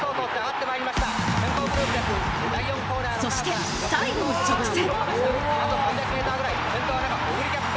そして最後の直線。